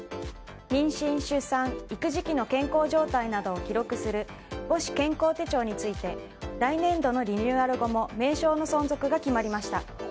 妊娠・出産・育児期の健康状態などを記録する母子健康手帳について来年度のリニューアル後も名称の存続が決まりました。